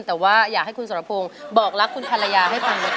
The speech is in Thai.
แต่อยากให้คุณสัรพงษ์บอกรักคุณควรประหละยาให้ตลอดนึง